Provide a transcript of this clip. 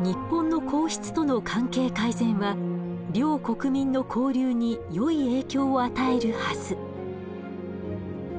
日本の皇室との関係改善は両国民の交流によい影響を与えるはず。